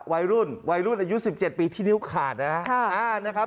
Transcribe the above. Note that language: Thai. วัยรุ่นวัยรุ่นอายุ๑๗ปีที่นิ้วขาดนะครับ